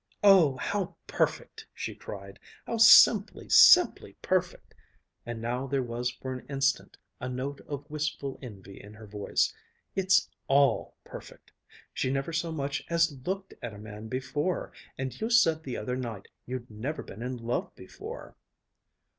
"Oh, how perfect!" she cried, "how simply, simply perfect!" and now there was for an instant a note of wistful envy in her voice. "It's all perfect! She never so much as looked at a man before, and you said the other night you'd never been in love before."